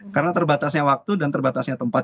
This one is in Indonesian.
karena terbatasnya waktu dan terbatasnya tempat